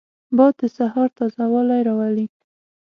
باد د سهار تازه والی راولي